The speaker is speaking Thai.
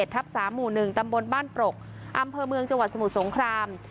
ตำบลบ้านปลกอำเภอเมืองจังหวัดสมุทรสงคราม